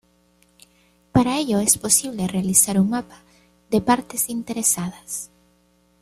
Para ello es posible realizar un mapa de partes interesadas.